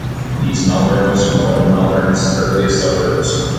East Melbourne was one of Melbourne's earliest suburbs.